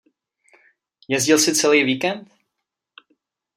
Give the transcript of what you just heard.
Jezdil jsi celej víkend?